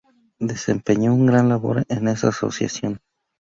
Desempeñó una gran labor en esa asociación.